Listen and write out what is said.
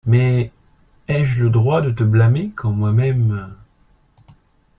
Mais ai-je le droit de te blâmer quand moi-même …